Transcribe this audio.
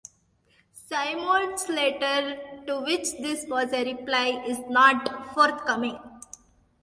Symonds's letter, to which this was a reply, is not forthcoming.